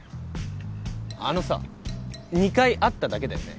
あのさ２回会っただけだよね？